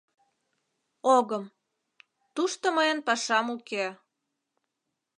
Огым... тушто мыйын пашам уке...